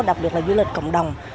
đặc biệt là du lịch cộng đồng